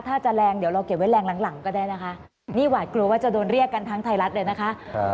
ถ้าจะแรงเดี๋ยวเราเก็บไว้แรงหลังหลังก็ได้นะคะนี่หวาดกลัวว่าจะโดนเรียกกันทั้งไทยรัฐเลยนะคะ